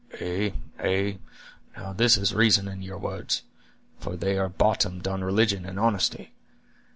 "Ay, ay, now there is reason in your words, for they are bottomed on religion and honesty.